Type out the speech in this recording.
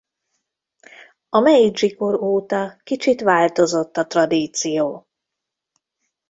A Meidzsi-kor óta kicsit változott a tradíció.